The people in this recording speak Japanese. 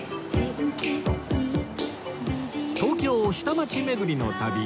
東京下町巡りの旅